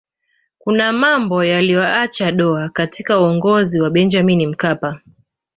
kuna mambo yaliyoacha doa katika uongozi wa benjamini mkapa